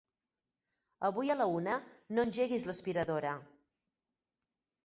Avui a la una no engeguis l'aspiradora.